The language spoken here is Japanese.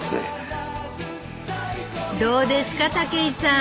どうですか武井さん。